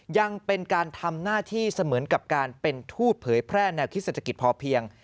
ยังเป็นการทำหน้าที่เสมือนกับการเป็นทูตเผยแพร่แนวคิดเศรษฐกิจพอเพียง